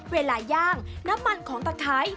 ย่างน้ำมันของตะไคร้